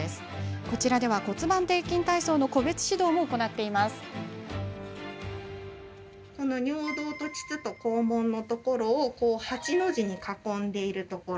こちらでは、骨盤底筋体操のこの尿道と膣と肛門のところを８の字に囲んでいるところ。